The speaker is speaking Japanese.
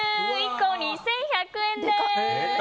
１個２１００円です。